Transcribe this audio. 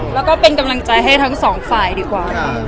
แล้วก็เป็นกำลังใจให้ทั้งสองฝ่ายดีกว่าค่ะ